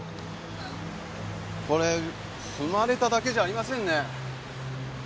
これ踏まれただけじゃありませんね。